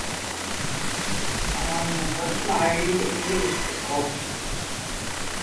Among the important commodities it produced is coal.